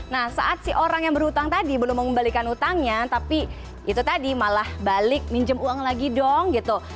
nah saat si orang yang berhutang tadi belum mengembalikan utangnya tapi itu tadi malah balik minjem uang lagi dong gitu